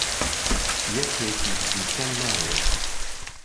یەکێکی دیکەم ناوێت.